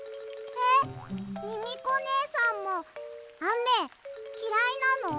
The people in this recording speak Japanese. えっミミコねえさんもあめきらいなの？